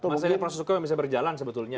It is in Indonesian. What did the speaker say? masih ada proses hukum yang bisa berjalan sebetulnya